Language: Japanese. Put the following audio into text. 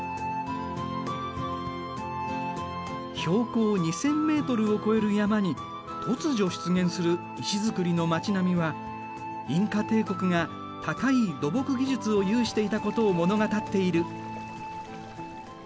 標高２，０００メートルを超える山に突如出現する石造りの町並みはインカ帝国が高い土木技術を有していたことを物語っている。